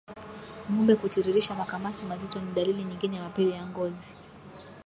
Ngombe kutiririsha makamasi mazito ni dalili nyingine ya mapele ya ngozi